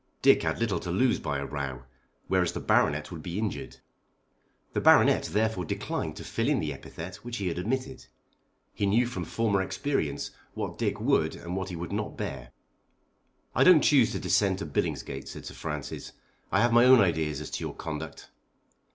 Dick had little to lose by a row, whereas the Baronet would be injured. The Baronet therefore declined to fill in the epithet which he had omitted. He knew from former experience what Dick would and what he would not bear. "I don't choose to descend to Billingsgate," said Sir Francis. "I have my own ideas as to your conduct."